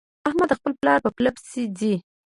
احمد د خپل پلار په پله پسې ځي.